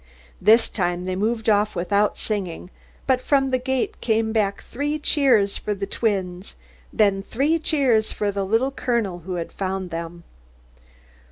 This time they moved off without singing, but from the gate came back three cheers for the twins, then three cheers for the Little Colonel, who had found them.